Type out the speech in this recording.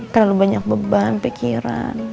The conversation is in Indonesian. terlalu banyak beban pikiran